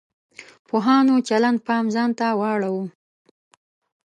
پوهانو چلند پام ځان ته واړاوه.